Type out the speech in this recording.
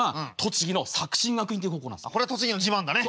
これ栃木の自慢だね。